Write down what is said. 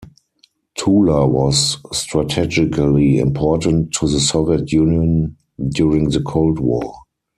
Tula was strategically important to the Soviet Union during the Cold War.